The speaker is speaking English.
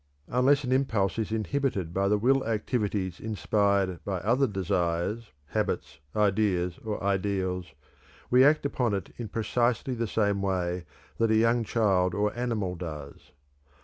Unless an impulse is inhibited by the will activities inspired by other desires, habits, ideas, or ideals, we act upon it in precisely the same way that a young child or animal does.